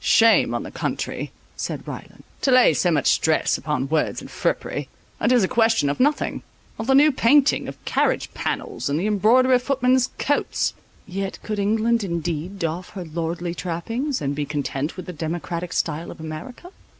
"Shame on the country," said Ryland, "to lay so much stress upon words and frippery; it is a question of nothing; of the new painting of carriage pannels and the embroidery of footmen's coats." Yet could England indeed doff her lordly trappings, and be content with the democratic style of America?